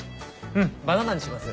うんバナナにします。